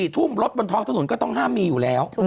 ทุ่มรถบนท้องถนนก็ต้องห้ามมีอยู่แล้ว